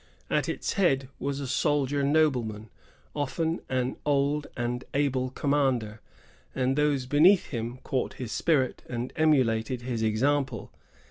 At its head was a soldier nobleman, often an old and able commander; and those beneath him caught his spirit and emulated his example.